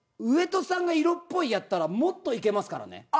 上戸さんが「色っぽい」やったらもっといけますからね。